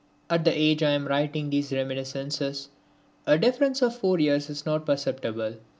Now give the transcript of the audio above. At the age I am writing these reminiscences a difference of 4 years is not perceptible.